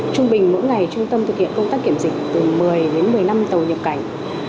trung bình mỗi ngày trung tâm thực hiện công tác kiểm dịch từ một mươi đến một mươi năm tàu nhập cảnh